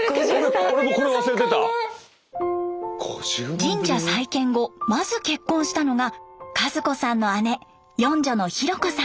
神社再建後まず結婚したのが和子さんの姉四女のひろ子さん。